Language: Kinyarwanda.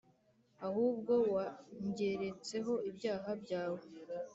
ahubwo wangeretseho ibyaha byawe,